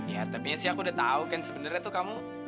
ya tapi sih aku udah tau kan sebenarnya tuh kamu